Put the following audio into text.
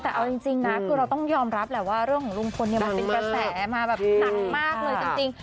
แต่เอาจริงนะคือเราต้องยอมรับแหละว่าเรื่องของลุงพลเนี่ยมันเป็นกระแสมาแบบหนักมากเลยจริง